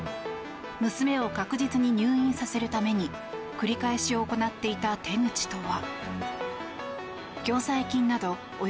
娘を確実に入院させるために繰り返し行っていた手口とは。